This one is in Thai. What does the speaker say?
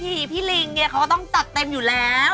พี่ที่พี่ลิงเนี่ยเค้าก็ต้องตัดเต็มอยู่แล้ว